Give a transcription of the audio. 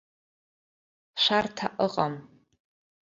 Шәарҭа ыҟам.